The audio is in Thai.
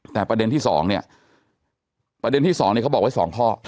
แต่ประเด็นที่๒เนี่ยประเด็นที่๒เขาบอกไว้๒ข้อ